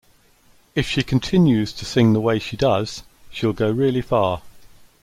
If she continues to sing the way she does, she'll go really far.